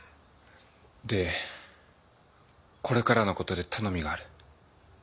でこれからの事で頼みがある。